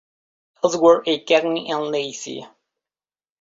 Elsewhere" y "Cagney and Lacey".